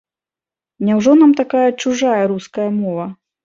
Няўжо нам такая чужая руская мова?